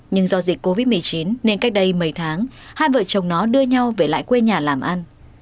nhưng do dịch covid một mươi chín nên cách đây mấy tháng hai vợ chồng nó đưa nhau về lại quê nhà làm ăn